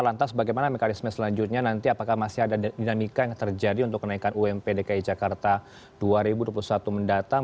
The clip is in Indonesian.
lantas bagaimana mekanisme selanjutnya nanti apakah masih ada dinamika yang terjadi untuk kenaikan ump dki jakarta dua ribu dua puluh satu mendatang